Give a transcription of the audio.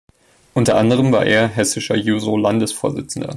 Unter anderem war er hessischer Juso-Landesvorsitzender.